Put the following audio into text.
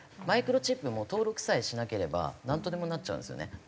マイクロチップも登録さえしなければなんとでもなっちゃうんですよね。